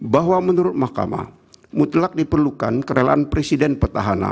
bahwa menurut mahkamah mutlak diperlukan kerelaan presiden petahana